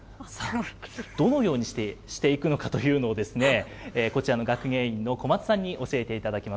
どのようにしていくのかというのを、こちらの学芸員の小松さんに教えていただきます。